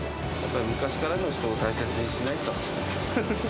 昔からの人を大切にしないと。